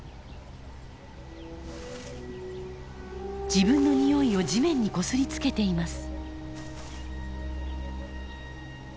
自分のにおいを地面にこすりつけています。